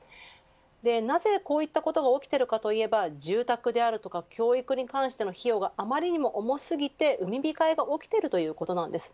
なぜこういったことが起きているかといえば住宅や教育に関しての費用が余りにも重すぎて産み控えが起きているということです。